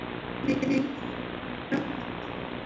তিনি 'গীতারনাব' নামে গীতার একটি টীকা লিখেছেন।